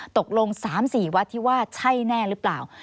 ตกลง๓๔วัดที่ว่าใช่แน่หรือเปล่า